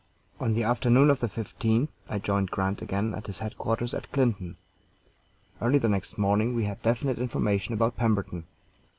On the afternoon of the 15th I joined Grant again at his headquarters at Clinton. Early the next morning we had definite information about Pemberton.